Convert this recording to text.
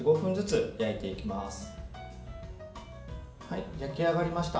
焼き上がりました。